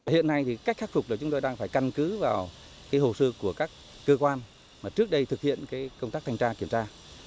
hiện nay thì cách khắc phục là chúng tôi đang phải căn cứ vào hồ sơ của các cơ quan mà trước đây thực hiện công tác thanh tra kiểm tra